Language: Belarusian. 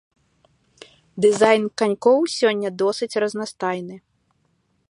Дызайн канькоў сёння досыць разнастайны.